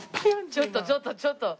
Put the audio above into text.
ちょっとちょっとちょっと。